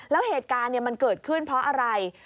แล้วเหตุการณ์มันเกิดขึ้นเพราะอะไร